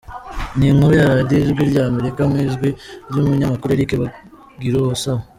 Ni inkuru ya Radiyo Ijwi ry’Amerika, mu ijwi ry’umunyamakuru Eric Bagiruwubusa